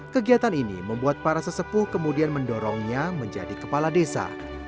kegiatan ini membuat para sesepuh kemudian mendorongnya menjadi kepala desa